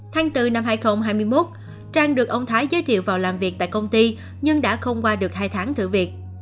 tháng bốn năm hai nghìn hai mươi một trang được ông thái giới thiệu vào làm việc tại công ty nhưng đã không qua được hai tháng thử việc